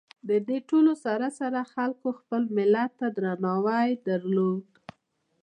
د دې ټولو سره سره خلکو خپل ملت ته درناوي درلود.